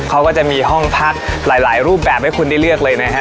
เขาก็จะมีห้องพักหลายรูปแบบให้คุณได้เลือกเลยนะฮะ